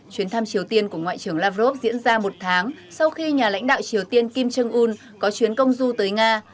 chuyến thăm triều tiên của ngoại trưởng lavrov diễn ra một tháng sau khi nhà lãnh đạo triều tiên kim jong un có chuyến công du tới nga